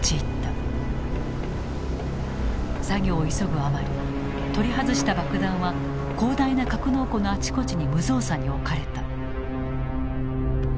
作業を急ぐあまり取り外した爆弾は広大な格納庫のあちこちに無造作に置かれた。